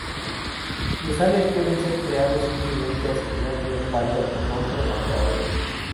Los alias pueden ser creados simplemente asignando un valor o nombre a otra orden.